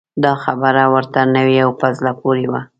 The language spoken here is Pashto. دا خبره ورته نوې او په زړه پورې وه.